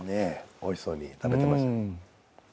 おいしそうに食べてました。